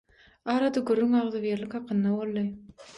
Arada gürrüň agzybirlik hakynda boldy.